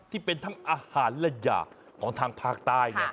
ที่เป็นทั้งอาหารและยากของทางภาคใต้ไง